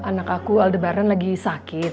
anak aku aldebaran lagi sakit